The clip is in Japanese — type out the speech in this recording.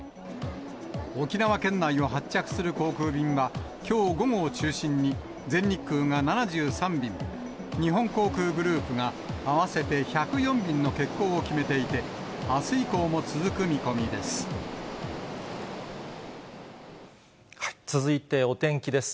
沖縄県内を発着する航空便は、きょう午後を中心に全日空が７３便、日本航空グループが合わせて１０４便の欠航を決めていて、続いてお天気です。